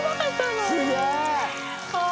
すげえ！